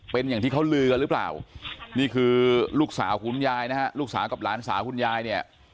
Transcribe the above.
เป็นอย่างที่เขาลือกันหรือเปล่านี่คือลูกสาวคุณยายนะฮะลูกสาวกับหลานสาวคุณยายเนี่ย